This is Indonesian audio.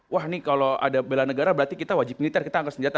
wah ini kalau ada bela negara berarti kita wajib militer kita angkat senjata